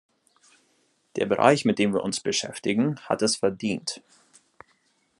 Der Bereich, mit dem wir uns beschäftigen, hat es verdient.